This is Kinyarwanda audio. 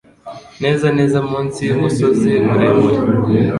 neza neza munsi yumusozi muremure